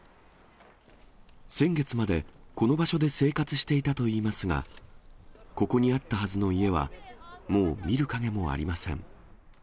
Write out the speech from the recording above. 先月まで、この場所で生活していたといいますが、ここにあったはずの家は、もう見る影もありません。